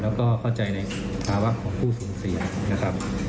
แล้วก็เข้าใจในภาวะของผู้สูญเสียนะครับ